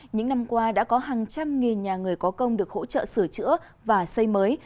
những năm qua đã có hàng trăm nghìn nhà người có công được hỗ trợ sửa chữa và xây mới